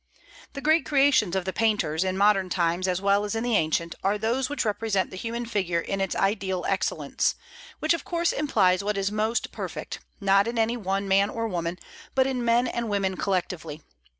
The great creations of the painters, in modern times as well as in the ancient, are those which represent the human figure in its ideal excellence, which of course implies what is most perfect, not in any one man or woman, but in men and women collectively.